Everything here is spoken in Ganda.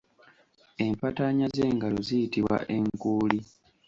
Empataanya z’engalo ziyitibwa enkuuli.